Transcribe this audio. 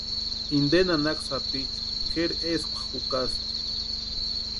Inte nanaka sapichu kʼeri eskwa jukasti.